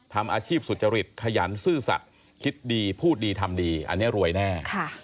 ทำอาชีพสุจริตขยันซื่อสัตว์คิดดีพูดดีทำดีอันนี้รวยแน่